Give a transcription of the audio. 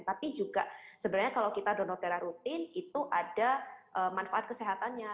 tapi juga sebenarnya kalau kita donotera rutin itu ada manfaat kesehatannya